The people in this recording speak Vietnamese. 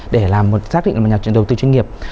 để làm một xác định nhà đầu tư chuyên nghiệp